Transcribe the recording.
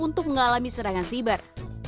untuk mengalami serangan siber